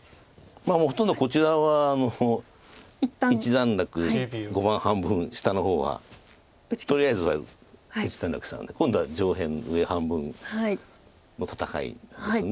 ほとんどこちらは一段落碁盤半分下の方はとりあえずは一段落したんで今度は上辺上半分の戦いです。